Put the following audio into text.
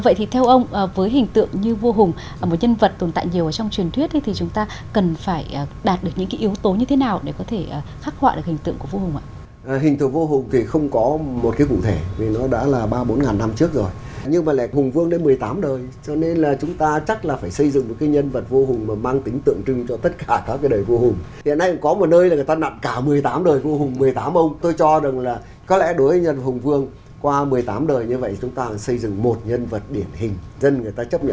yếu tố như thế nào để có thể khắc họa được hình tượng của vô hùng